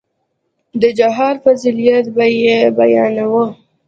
د جهاد فضيلت به يې بياناوه.